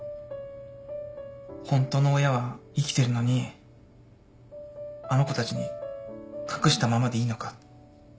ホントの親は生きてるのにあの子たちに隠したままでいいのか。